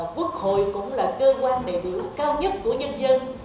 quốc hội cũng là cơ quan đại biểu cao nhất của nhân dân